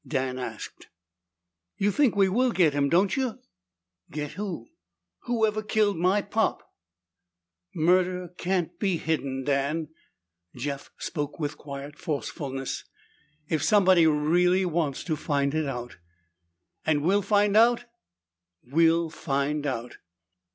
Dan asked, "You think we will get him, don't you?" "Get who?" "Whoever killed my pop!" "Murder can't be hidden, Dan," Jeff spoke with quiet forcefulness, "if somebody really wants to find it out." "And we'll find out?" "We'll find out."